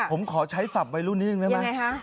ผมขอใช้ศัพท์วัยรุ่นนิดนึงได้ไหม